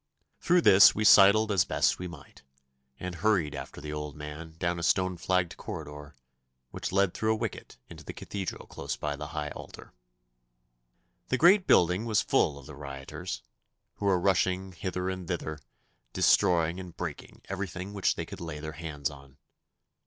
Through this we sidled as best we might, and hurried after the old man down a stone flagged corridor, which led through a wicket into the Cathedral close by the high altar. The great building was full of the rioters, who were rushing hither and thither, destroying and breaking everything which they could lay their hands on.